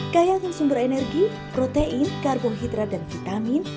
kayak sumber energi protein karbohidrat dan vitamin